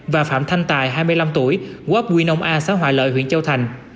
và phạm thanh tài hai mươi năm tuổi quốc quy nông a xã hòa lợi huyện châu thành